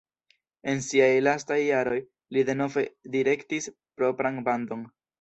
En siaj lastaj jaroj li denove direktis propran bandon.